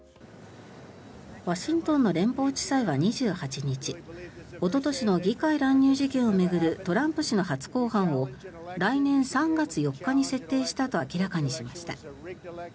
ワシントンの連邦地裁は２８日おととしの議会乱入事件を巡るトランプ氏の初公判を来年３月４日に設定したと明らかにしました。